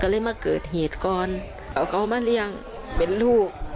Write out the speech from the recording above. ก็เลยมาเกิดเหตุก่อนเอาเขามาเลี้ยงเป็นลูก